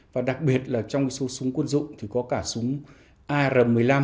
và đặc biệt là trong cái số súng quân dụng thì có cả súng ar một mươi năm